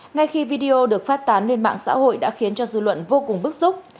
ngay khi video được phát tán lên mạng xã hội đã khiến cho dư luận vô cùng bức xúc